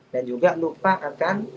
dan juga lupa akan